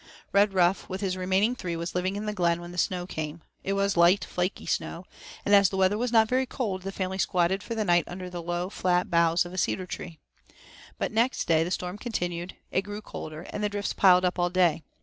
Redruff, with his remaining three, was living in the glen when the snow came. It was light, flaky snow, and as the weather was not very cold, the family squatted for the night under the low, flat boughs of a cedar tree. But next day the storm continued, it grew colder, and the drifts piled up all day.